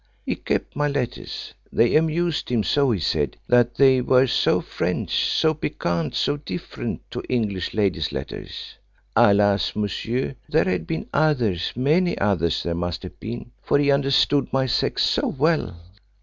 He kept my letters they amused him so, he said they were so French, so piquant, so different to English ladies' letters. Alas, monsieur, there had been others many others there must have been, for he understood my sex so well.